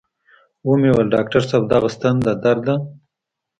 و مې ويل ډاکتر صاحب دغه ستن د درد ده.